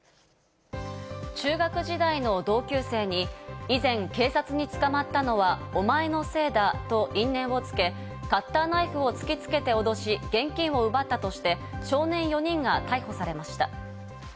中学時代の同級生に以前、警察に捕まったのはお前のせいだと因縁をつけ、カッターナイフを突きつけておどし、現金を奪ったとして、少年４人が逮捕されました。